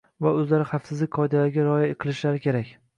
va o‘zlari xavfsizlik qoidalariga rioya qilishlari kerak.